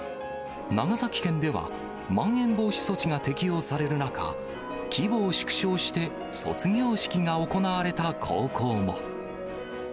長崎県では、まん延防止措置が適用される中、規模を縮小して卒業式が行われた高校も。